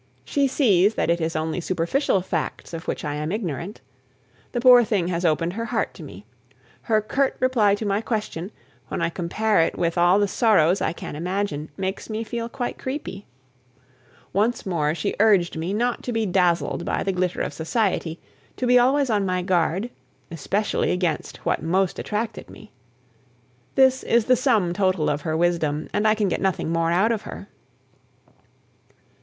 She sees that it is only superficial facts of which I am ignorant. The poor thing has opened her heart to me. Her curt reply to my question, when I compare it with all the sorrows I can imagine, makes me feel quite creepy. Once more she urged me not to be dazzled by the glitter of society, to be always on my guard, especially against what most attracted me. This is the sum total of her wisdom, and I can get nothing more out of her.